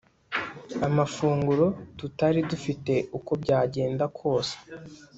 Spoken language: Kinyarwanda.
Amafunguro tutari dufite uko byagenda kose